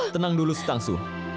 tenang dulu si tangsu